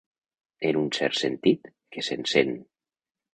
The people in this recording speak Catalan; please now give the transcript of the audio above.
En un cert sentit, que s'encén.